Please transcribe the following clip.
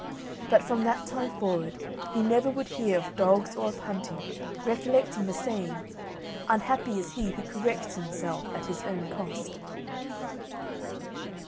But from that time forward, he never would hear of dogs or of hunting, recollecting the saying "Unhappy is he who corrects himself at his own cost."